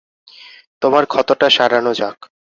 তোমার ক্ষতটা সারানো যাক।